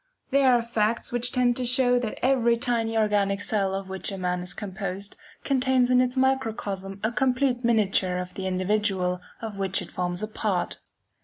There are facts which tend to show that every tiny organic cell of which a man is composed, contains in its microcosm a complete miniature of the individual of which it forms a part.